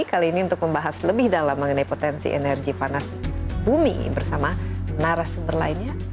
kali ini untuk membahas lebih dalam mengenai potensi energi panas bumi bersama narasumber lainnya